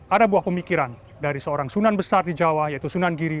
ada buah pemikiran dari seorang sunan besar di jawa yaitu sunan giri